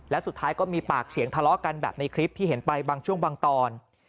และสุดท้ายก็มีปากเสียงทะเลาะกันแบบในคลิปที่เห็นไปบางช่วงบางตอน